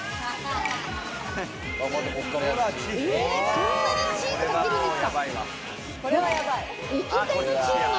そんなにチーズかけるんですか？